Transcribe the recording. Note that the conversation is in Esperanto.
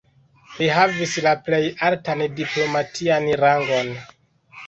Li havis la plej altan diplomatian rangon.